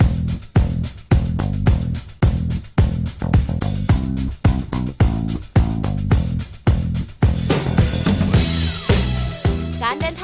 เป็นสุขภาพอย่างเดียวเลย